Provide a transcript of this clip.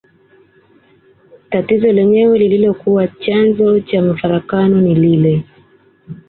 Tatizo lenyewe lililokuwa chanzo cha mafarakano ni lile